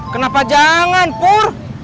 kenapa jangan pur